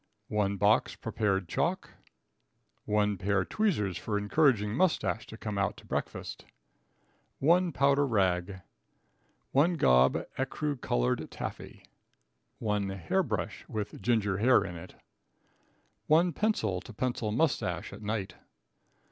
1 box Prepared Chalk. 1 Pair Tweezers for encouraging Moustache to come out to breakfast. 1 Powder Rag. 1 Gob ecru colored Taffy. 1 Hair brush, with Ginger Hair in it. 1 Pencil to pencil Moustache at night.